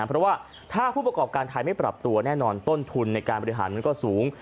เพราะว่าถ้าผู้ประกอบการไทยไม่ปรับตัวแน่นอนต้นทุนในการบริหารมันก็สูง